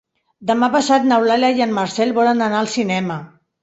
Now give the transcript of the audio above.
Demà passat n'Eulàlia i en Marcel volen anar al cinema.